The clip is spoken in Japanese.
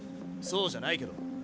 そうじゃないけど。